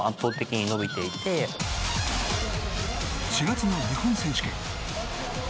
４月の日本選手権。